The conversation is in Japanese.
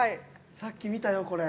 さっき見たよこれ。